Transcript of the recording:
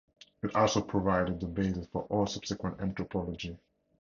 It also provided the basis for all subsequent anthropology.